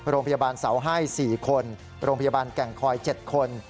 โรงพยาบาลเสาให้๔คนโรงพยาบาลแก่งคอย๗คน